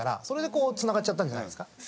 それでこうつながったんじゃないですか？